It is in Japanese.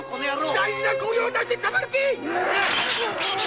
大事な氷を渡してたまるか！